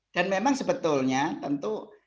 dan memang sebetulnya tentu